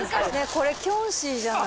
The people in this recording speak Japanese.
これ、キョンシーじゃない？